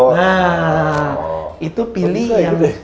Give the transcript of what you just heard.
nah itu pilih yang